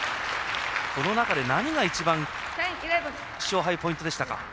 この中で何が一番勝敗ポイントでしたか？